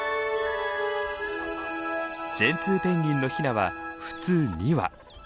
ジェンツーペンギンのヒナは普通２羽。